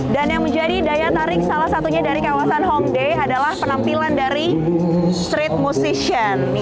dan yang menjadi daya tarik salah satunya dari kawasan hongdae adalah penampilan dari street musician